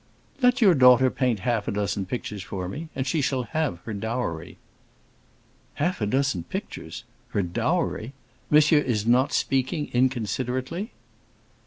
"Let your daughter paint half a dozen pictures for me, and she shall have her dowry." "Half a dozen pictures—her dowry! Monsieur is not speaking inconsiderately?"